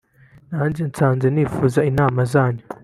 nanjye nsanze nifuza inama zanyu